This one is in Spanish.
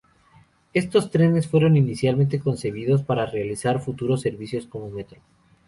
Estos trenes fueron inicialmente concebidos para realizar futuros servicios como Metro.